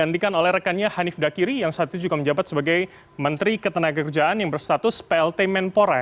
dilantikan oleh rekannya hanif dakiri yang saat itu juga menjabat sebagai menteri ketenaga kerjaan yang berstatus plt menpora